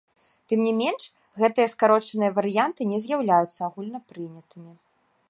Тым не менш, гэтыя скарочаныя варыянты не з'яўляюцца агульнапрынятымі.